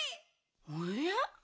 おや？